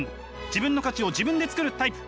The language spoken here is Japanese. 自分の価値を自分で作るタイプ。